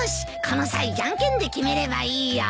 この際ジャンケンで決めればいいよ。